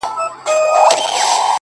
نن د پايزېب په شرنگهار راته خبري کوه.